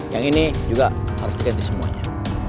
yang ini juga harus diganti semuanya